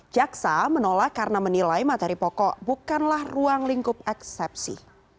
jaksa menolak karena menilai materi pokok bukanlah ruang lingkup eksepsi